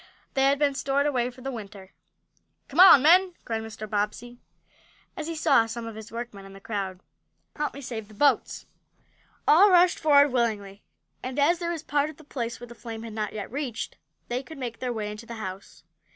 They had been stored away for the winter. "Come on, men!" cried Mr. Bobbsey, as he saw some of his workmen in the crowd. "Help me save the boats!" All rushed forward willingly, and, as there was part of the place where the flames had not yet reached, they could make their way into the house.